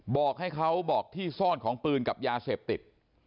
บอกให้เขาบอกที่ซ่อนของปืนกับยาเสพติด